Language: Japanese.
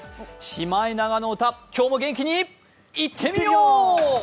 「シマエナガの歌」、今日も元気にいってみよう！